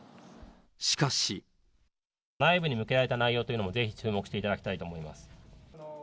内部に向けられた内容というのもぜひ注目していただきたいと思います。